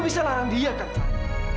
lu bisa larang dia kan fad